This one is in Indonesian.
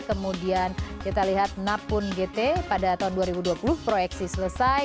kemudian kita lihat napun gt pada tahun dua ribu dua puluh proyeksi selesai